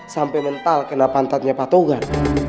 sampe mental kena pantatnya pak togar